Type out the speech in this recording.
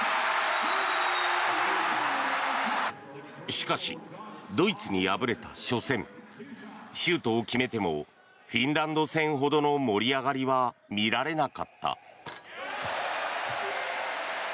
しかし、ドイツに敗れた初戦シュートを決めてもフィンランド戦ほどの盛り上がりは見られなかった。